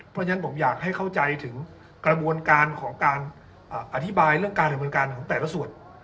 เพราะฉะนั้นผมอยากให้เข้าใจถึงกระบวนการของการอธิบายเรื่องการดำเนินการของแต่ละส่วน